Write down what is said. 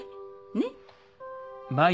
ねっ？